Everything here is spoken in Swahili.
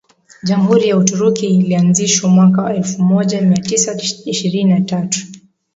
Jamhuri ya Uturuki ilianzishwa mwaka elfumoja miatisa ishirini na tatu